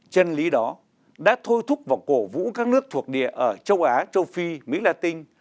chân lý đó đã thôi thúc và cổ vũ các nước thuộc địa ở châu á châu phi mỹ latin